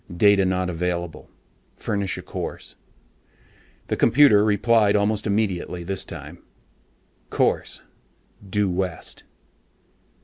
DATA NOT AVAILABLE. FURNISH A COURSE. The computer replied almost immediately this time: COURSE: DUE WEST.